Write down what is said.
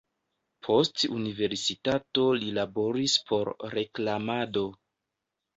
Post universitato li laboris por reklamado.